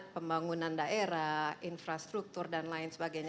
pembangunan daerah infrastruktur dan lain sebagainya